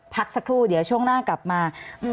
พักสักครู่เดี๋ยวช่วงหน้ากลับมา